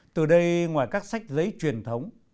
từ đây ngoài các sách giấy truyền thống